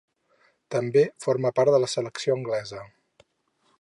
També forma part de la selecció anglesa.